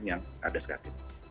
yang ada sekarang